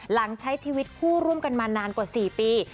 ใช้ชีวิตคู่ร่วมกันมานานกว่า๔ปี